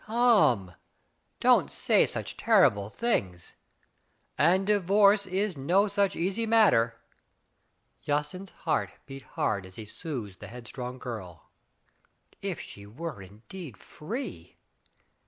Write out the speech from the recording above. "Come, don't Say such terrible things. And divorce is no such easy matter." Jacynth's heart beat hard as he soothed the headstrong girl. If she were indeed free